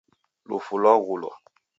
Lufu lwaghulwa